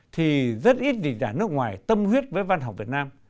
thì rất ít dịch giả nước ngoài tâm huyết với văn học việt nam